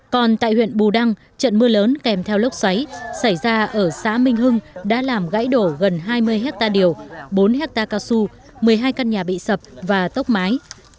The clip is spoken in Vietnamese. còn tại huyện bù đăng trận mưa lớn kèm theo lốc xoáy xảy ra ở xã minh hưng đã làm gãy đổ gần hai mươi hectare điều bốn hectare cao su một mươi hai căn nhà bị sập và tốc mái